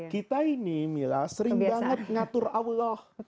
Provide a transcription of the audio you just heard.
kita ini mila sering banget ngatur allah